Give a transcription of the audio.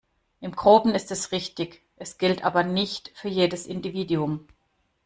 Im Groben ist es richtig, es gilt aber nicht für jedes Individuum.